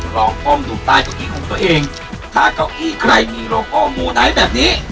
ก้มดูใต้เก้าอี้ของตัวเองถ้าเก้าอี้ใครมีโลโก้มูไนท์แบบนี้